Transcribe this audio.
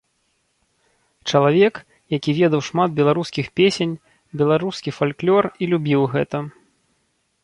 Чалавек, які ведаў шмат беларускіх песень, беларускі фальклор і любіў гэта.